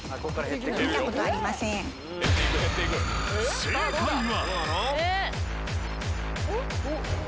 正解は？